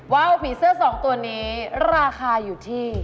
ว่าวผีเสื้อ๒ตัวนี้ราคาอยู่ที่